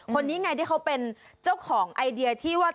คนนี้ไงที่เขาเป็นเจ้าของไอเดียที่ว่า